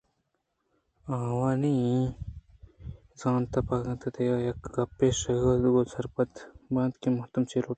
آوانی زانت پکا اِنت ءُ دپ ءِیکیں گپ ءِ کشّگ ءَ گوں سرپد بنت کہ مردم چے لوٹیت